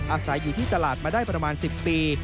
อาศัยอยู่ที่ตลาดมาได้ประมาณ๑๐ปี